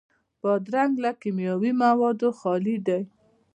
بادرنګ له کیمیاوي موادو خالي دی.